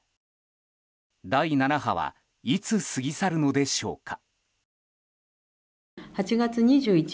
第７波はいつ過ぎ去るのでしょうか。